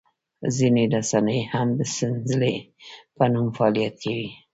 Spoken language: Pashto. ځینې رسنۍ هم د سنځلې په نوم فعالیت کوي.